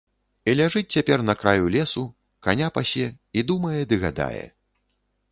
І ляжыць цяпер на краю лесу, каня пасе, і думае ды гадае.